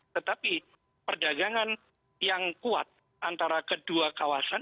tetapi perdagangan yang kuat antara kedua kawasan